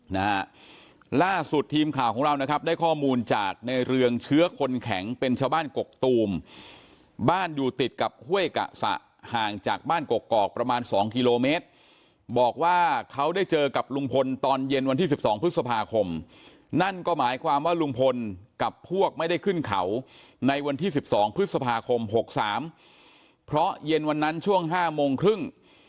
นะฮะล่าสุดทีมข่าวของเรานะครับได้ข้อมูลจากในเรืองเชื้อคนแข็งเป็นชาวบ้านกกตูมบ้านอยู่ติดกับห้วยกะสะห่างจากบ้านกกอกประมาณสองกิโลเมตรบอกว่าเขาได้เจอกับลุงพลตอนเย็นวันที่สิบสองพฤษภาคมนั่นก็หมายความว่าลุงพลกับพวกไม่ได้ขึ้นเขาในวันที่สิบสองพฤษภาคมหกสามเพราะเย็นวันนั้นช่วงห้าโมงครึ่ง